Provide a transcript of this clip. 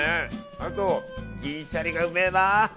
あと銀シャリがうめえな！